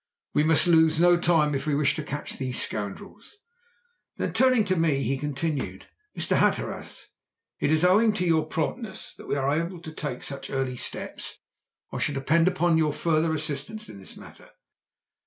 We must lose no time if we wish to catch these scoundrels." Then turning to me, he continued: "Mr. Hatteras, it is owing to your promptness that we are able to take such early steps. I shall depend upon your further assistance in this matter."